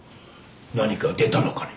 何か出たのかね？